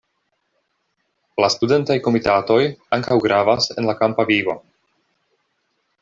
La studentaj komitatoj ankaŭ gravas en la kampa vivo.